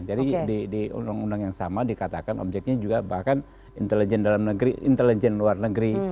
jadi di undang undang yang sama dikatakan objeknya juga bahkan intelijen dalam negeri intelijen luar negeri